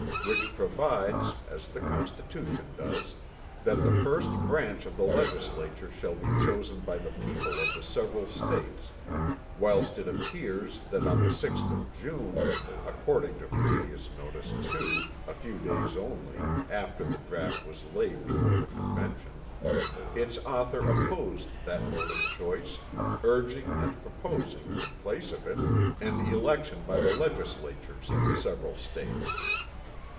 which provides, as the Constitution does, that the first Branch of the Legislature shall be chosen by the people of the several States; whilst it appears, that on the 6th of June, according to previous notice, too, a few days only, after the Draft was laid before the Convention, its Author opposed that mode of choice, urging & proposing, in place of it, an election by the Legislatures of the several States.